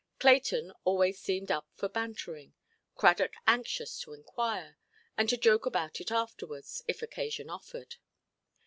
Clayton always seemed up for bantering; Cradock anxious to inquire, and to joke about it afterwards, if occasion offered.